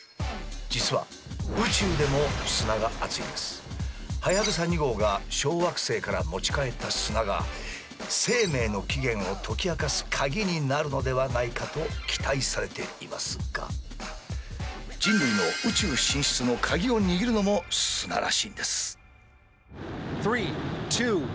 実ははやぶさ２号が小惑星から持ち帰った砂が生命の起源を解き明かす鍵になるのではないかと期待されていますが人類の宇宙進出の鍵を握るのも砂らしいんです。